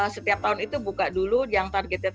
setiap tahun itu buka dulu yang targetnya